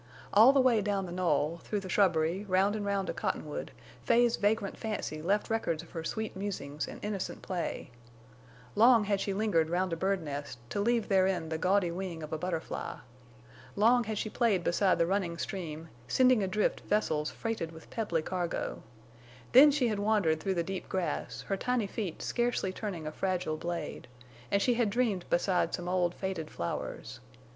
All the way down the knoll, through the shrubbery, round and round a cottonwood, Fay's vagrant fancy left records of her sweet musings and innocent play. Long had she lingered round a bird nest to leave therein the gaudy wing of a butterfly. Long had she played beside the running stream sending adrift vessels freighted with pebbly cargo. Then she had wandered through the deep grass, her tiny feet scarcely turning a fragile blade, and she had dreamed beside some old faded flowers.